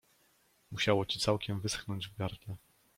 Musiało ci całkiem wyschnąć w gardle.